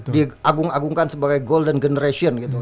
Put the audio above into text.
diagung agungkan sebagai golden generation gitu